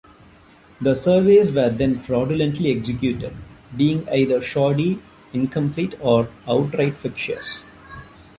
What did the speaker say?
The surveys were then fraudulently executed, being either shoddy, incomplete or outright fictitious.